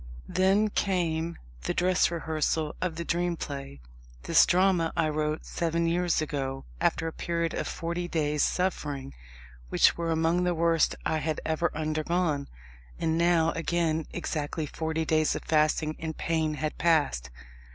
Then came the dress rehearsal of The Dream Play. This drama I wrote seven years ago, after a period of forty days' suffering which were among the worst which I had ever undergone. And now again exactly forty days of fasting and pain had passed.